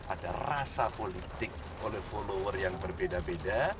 ada rasa politik oleh follower yang berbeda beda